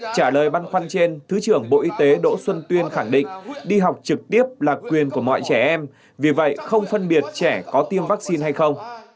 trả lời băn khoăn trên thứ trưởng bộ y tế đỗ xuân tuyên khẳng định đi học trực tiếp là quyền của mọi trẻ em vì vậy không phân biệt trẻ có tiêm vaccine hay không